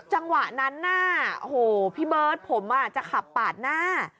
จังหวะนั้นน่ะโอ้โหพี่เบิร์ตผมจะขับปาดหน้า